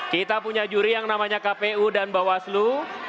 kita punya juri yang namanya kpu dan bawaslu